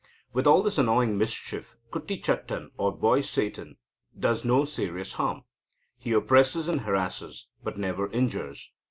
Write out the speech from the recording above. With all this annoying mischief, Kuttichattan or Boy Satan does no serious harm. He oppresses and harasses, but never injures.